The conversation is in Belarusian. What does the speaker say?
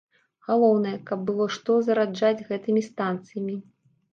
Галоўнае, каб было што зараджаць гэтымі станцыямі.